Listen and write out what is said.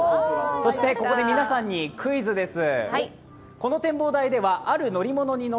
そしてここで皆さんにクイズです。